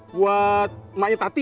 buat emaknya tati